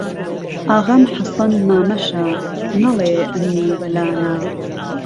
ئاغام حەسەن مامەشە نەڵێ ئەمنی وەلا نا